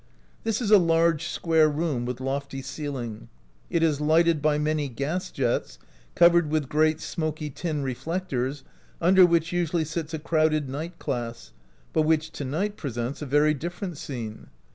This is a large, square room with lofty ceiling. It is lighted by many gas jets, covered with great, smoky tin re flectors, under which usually sits a crowded night class, but which to night presents a very different scene.